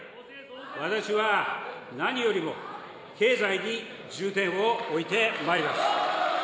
私は何よりも経済に重点を置いてまいります。